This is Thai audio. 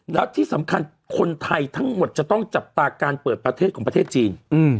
แล้วที่สำคัญคนไทยทั้งหมดจะต้องจับตาการเปิดประเทศของประเทศจีน